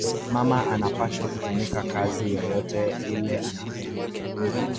Mama anapashwa kutumika kazi yoyote ile anapenda